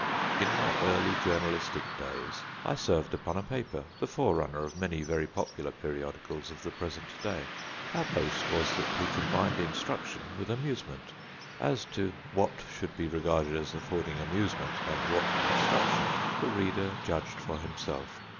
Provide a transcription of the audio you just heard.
In my early journalistic days, I served upon a paper, the forerunner of many very popular periodicals of the present day. Our boast was that we combined instruction with amusement; as to what should be regarded as affording amusement and what instruction, the reader judged for himself.